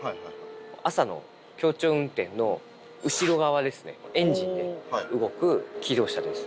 朝の協調運転の後ろ側ですね、エンジンで動く気動車です。